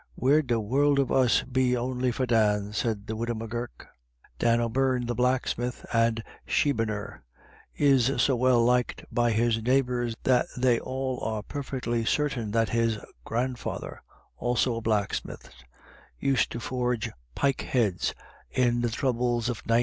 " Where'd the whoule of us be on'y for Dan ? M said the widow M'Gurk. Dan O'Beirne, the blacksmith and' shebeener, is so well liked by his neighbours, that they all are perfectly certain his grandfather, also a blacksmith, used to forge pikeheads in the troubles of '98.